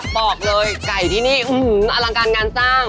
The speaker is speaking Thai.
บอกเลยไก่ที่นี่อลังการงานจ้าง